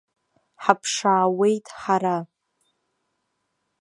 Ҳаԥшаауеит ҳара.